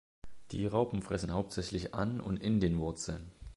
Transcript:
Die Raupen fressen hauptsächlich an und in den Wurzeln.